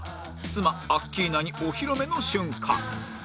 妻アッキーナにお披露目の瞬間